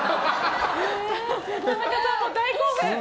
田中さんも大興奮。